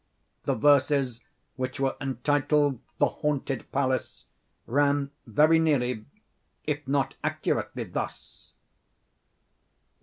The verses, which were entitled "The Haunted Palace," ran very nearly, if not accurately, thus: I.